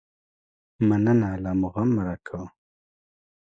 ګلداد وویل تا څه داسې لویه پتیله باندې کړې وه.